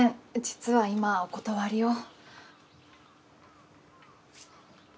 実は今、お断りを。